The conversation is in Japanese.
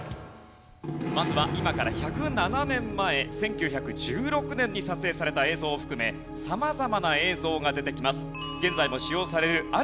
まずは今から１０７年前１９１６年に撮影された映像を含め様々な映像が出てきます。